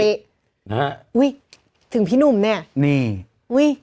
อุ๊ยถึงพี่หนุ่มเนี่ย